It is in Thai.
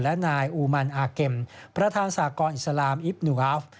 และนายอูมันอาเกมประธานสากรอิสลามอิฟนูฮาฟ